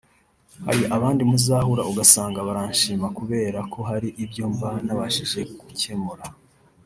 hari abandi muzahura ugasanga baranshima kubera ko hari ibyo mba nabafashije gukemura